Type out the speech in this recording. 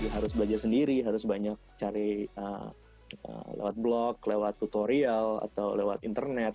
harus belajar sendiri harus banyak cari lewat blog lewat tutorial atau lewat internet